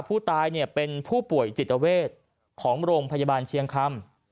ผู้ตายเป็นผู้ป่วยจิตเวทของโรงพยาบาลเชียงคำ